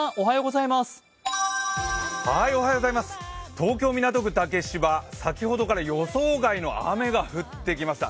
東京・港区竹芝、先ほどから予想外の雨が降ってきました。